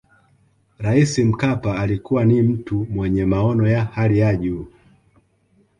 rais mkapa alikuwa ni mtu mwenye maono ya hali ya juu